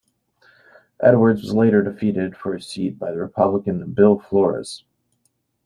Edwards was later defeated for his seat by the Republican Bill Flores.